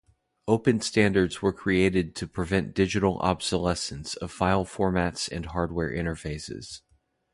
Open standards were created to prevent digital obsolesce of file formats and hardware interfaces.